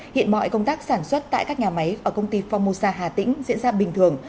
hiện mọi công tác sản xuất tại các nhà máy ở công ty formosa hà tĩnh diễn ra bình thường